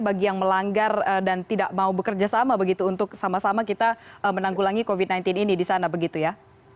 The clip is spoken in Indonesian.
bagi yang melanggar dan tidak mau bekerja sama begitu untuk sama sama kita menanggulangi covid sembilan belas ini di sana begitu ya